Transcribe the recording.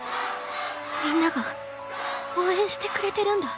みんなが応援してくれてるんだ